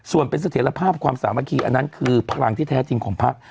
ส่วนเป็นเสถียรภาพความสามัคคีอันนั้นคือพลังที่แท้จริงของพัก